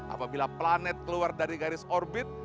apabila planet keluar dari garis orbit